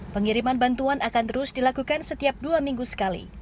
pengiriman bantuan akan terus dilakukan setiap dua minggu sekali